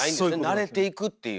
慣れていくっていう。